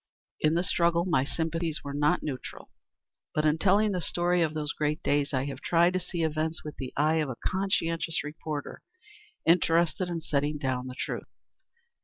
In the struggle my sympathies were not neutral. But in telling the story of those great days I have tried to see events with the eye of a conscientious reporter, interested in setting down the truth.